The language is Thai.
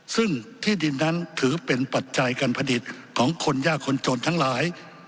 ซึ่งที่ดินนั้นถือเป็นปัจจัยการผลิตของคนยากคนจนทั้งหลาย